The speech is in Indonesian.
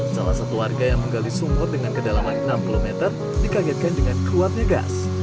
salah satu warga yang menggali sumur dengan kedalaman enam km dikagetkan dengan keluarnya gas